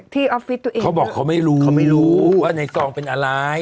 ออฟฟิศตัวเองเขาบอกเขาไม่รู้เขาไม่รู้ว่าในกองเป็นอะไร